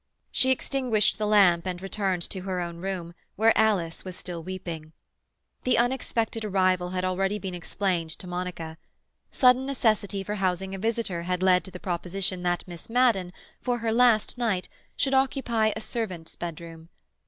She extinguished the lamp and returned to her own room, where Alice was still weeping. The unexpected arrival had already been explained to Monica. Sudden necessity for housing a visitor had led to the proposition that Miss Madden, for her last night, should occupy a servant's bedroom.